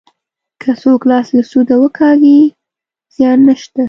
که څوک لاس له سوده وکاږي زیان نشته.